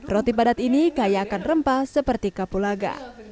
roti padat ini kayakan rempah seperti kapulaga